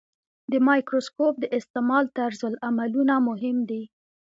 د مایکروسکوپ د استعمال طرزالعملونه مهم دي.